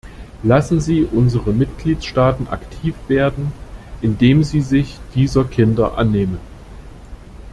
Lassen Sie unsere Mitgliedstaaten aktiv werden, indem sie sich dieser Kinder annehmen.